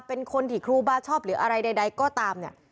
เป็นคนที่ครูบาชอบหรืออะไรใดก็ตามเนี่ย